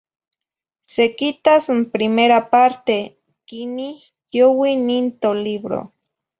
Sequitas n primera parte, quinih youi nin tolibro.